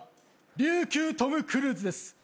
琉球トム・クルーズです。